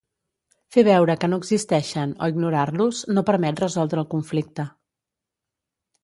Fer veure que no existeixen o ignorar-los no permet resoldre el conflicte.